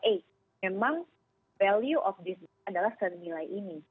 eh memang value of disness adalah senilai ini